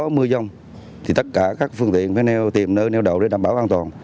nếu có mưa dông thì tất cả các phương tiện phải nêu tìm nơi nêu đầu để đảm bảo an toàn